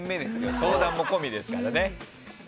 相談も込みですからね。